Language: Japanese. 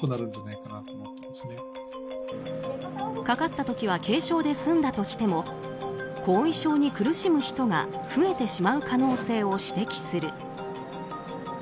かかった時は軽症で済んだとしても後遺症に苦しむ人が増えてしまう可能性を指摘する。